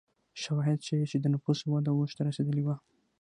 شواهد ښيي چې د نفوسو وده اوج ته رسېدلې وه.